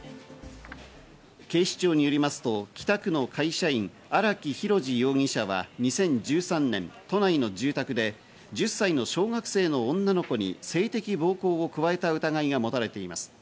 警視庁によりますと北区の会社員・荒木博路容疑者は２０１３年、都内の住宅で１０歳の小学生の女の子に性的暴行を加えた疑いが持たれています。